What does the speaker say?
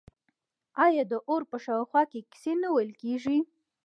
آیا د اور په شاوخوا کې کیسې نه ویل کیږي؟